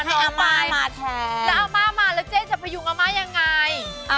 แล้วอาม่ามาแล้วเจ๊จะพยุงอาม่ายังไง